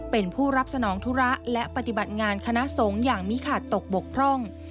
เป็นผู้รับสนองธุระและปฏิบัติงานคณะสงฆ์อย่างมิขาดตกบกพร่อง